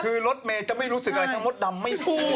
คือรถเมย์จะไม่รู้สึกอะไรทั้งมดดำไม่สู้